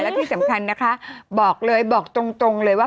และที่สำคัญนะคะบอกเลยบอกตรงเลยว่า